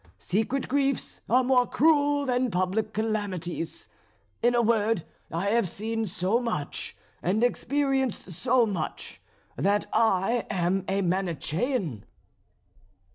Secret griefs are more cruel than public calamities. In a word I have seen so much, and experienced so much that I am a Manichean."